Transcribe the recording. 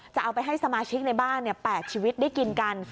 จะเอาไปให้สมาชิกในบ้าน๘ชีวิตได้กินกัน